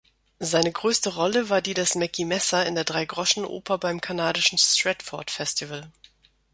Seine größte Rolle war die des Mackie Messer in der "Dreigroschenoper" beim kanadischen Stratford-Festival.